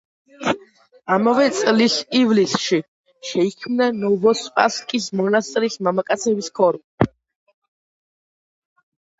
ამავე წლის ივლისში შეიქმნა ნოვოსპასკის მონასტრის მამაკაცების ქორო.